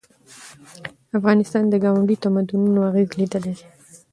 افغانستان د ګاونډیو تمدنونو اغېز لیدلی دی.